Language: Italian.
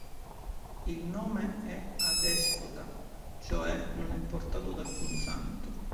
Il nome è adespota, cioè non è portato da alcun santo.